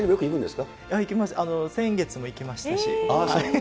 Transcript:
先月も行きましたし。